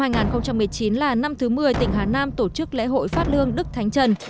năm hai nghìn một mươi chín là năm thứ một mươi tỉnh hà nam tổ chức lễ hội phát lương đức thánh trần